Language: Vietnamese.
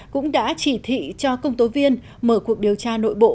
cũng đã chỉ thị cho công tố viên mở cuộc điều tra nội bộ